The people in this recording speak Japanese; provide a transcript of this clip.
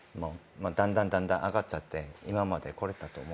だんだん上がっちゃって今までこれたと思うんですけど。